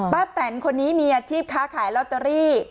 แตนคนนี้มีอาชีพค้าขายลอตเตอรี่